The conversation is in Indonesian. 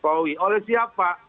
jokowi oleh siapa